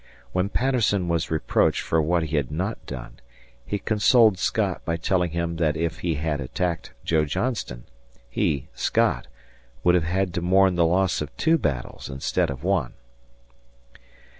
When Patterson was reproached for what he had not done, he consoled Scott by telling him that if he had attacked Joe Johnston, he (Scott) would have had to mourn the loss of two battles instead of one.